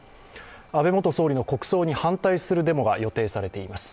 安倍元総理の国葬に反対するデモが予定されています。